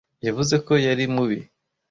Yavuze ko yari mubi.